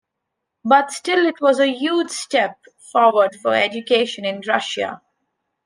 But still it was a huge step forward for education in Russia.